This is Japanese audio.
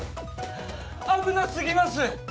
危なすぎます！